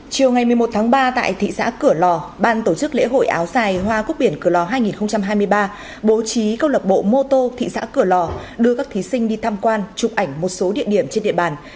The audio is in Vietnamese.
chiều ngày một mươi một tháng ba tại thị xã cửa lò ban tổ chức lễ hội áo dài hoa quốc biển cửa lò hai nghìn hai mươi ba bố trí câu lạc bộ mô tô thị xã cửa lò đưa các thí sinh đi tham quan chụp ảnh một số địa điểm trên địa bàn